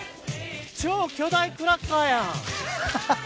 超巨大クラッカーやん！